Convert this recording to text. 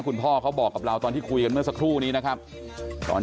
เขาบอกกับเราตอนที่คุยกันเมื่อสักครู่นี้นะครับตอน